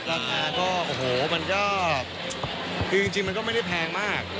ราคาก็โอ้โหมันก็คือจริงมันก็ไม่ได้แพงมาก